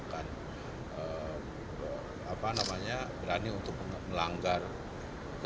dan juga untuk menjaga kepentingan pemerintah